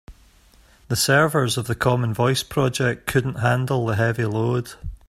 The servers of the common voice project couldn't handle the heavy load.